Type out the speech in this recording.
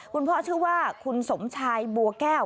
คุณพ่อชื่อว่าคุณสมชายบัวแก้ว